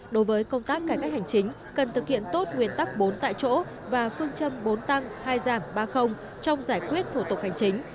đối với công tác cải cách hành chính cần thực hiện tốt nguyên tắc bốn tại chỗ và phương châm bốn tăng hai giảm ba trong giải quyết thủ tục hành chính